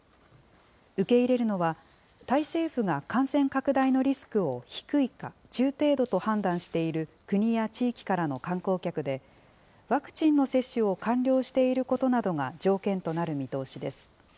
受け入れるのは、タイ政府が感染拡大のリスクを低いか、中程度と判断している国や地域からの観光客で、ワクチンの接種を完了していることなどが条件となる見通しです。